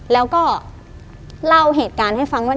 แล้วก็เล่าเหตุการณ์ให้ฟังว่า